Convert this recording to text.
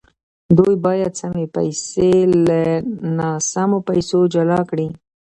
دوی باید سمې پیسې له ناسمو پیسو جلا کړي